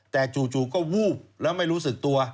แต่จู่ก็วูบแล้วไม่รู้สึกตัว